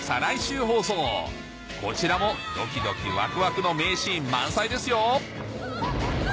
こちらもドキドキワクワクの名シーン満載ですよ